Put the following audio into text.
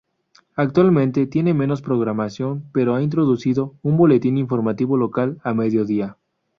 Actualmente, tiene menos programación pero ha introducido un boletín informativo local a mediodía.